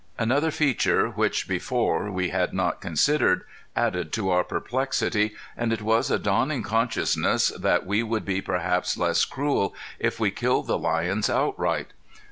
Another feature, which before we had not considered, added to our perplexity and it was a dawning consciousness that we would be perhaps less cruel if we killed the lions outright.